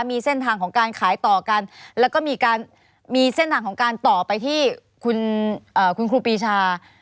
มีเส้นทางของการขายต่อกันแล้วก็มีการมีเส้นทางของการต่อไปที่คุณครูปีชา